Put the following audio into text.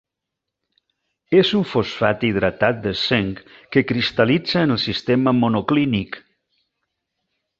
És un fosfat hidratat de zinc que cristal·litza en el sistema monoclínic.